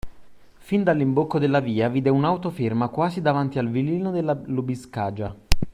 Fin dall'imbocco della via, vide un'auto ferma quasi davanti al villino della Lubiskaja;